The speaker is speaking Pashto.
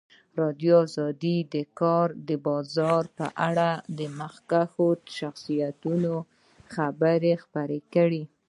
ازادي راډیو د د کار بازار په اړه د مخکښو شخصیتونو خبرې خپرې کړي.